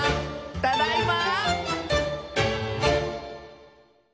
「ただいま」